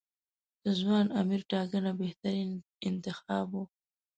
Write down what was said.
د ځوان امیر ټاکنه بهترین انتخاب و.